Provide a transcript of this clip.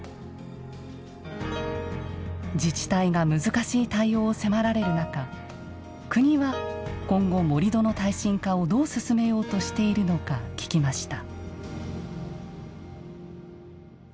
自治体が難しい対応を迫られる中国は今後、盛土の耐震化をどう進めようとしているのか聞きました。